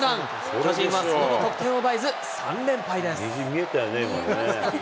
巨人はその後、得点を奪えず、３連敗です。